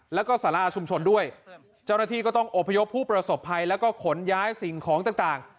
แล้วก็สาราชุมชนด้วยเจ้าหน้าที่ก็ต้องอบพยพผู้ประสบภัยแล้วก็ขนย้ายสิ่งของต่าง